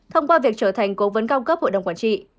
thông qua việc trở thành cố vấn cao cấp hội đồng quản trị